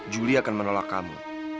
juli akan menolak kamu